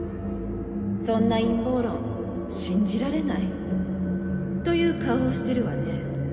「そんな陰謀論信じられない」という顔をしてるわね。